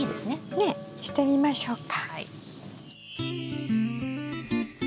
ねえしてみましょうか。